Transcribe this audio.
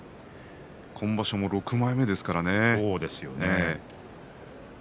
今場所も６枚目ですから。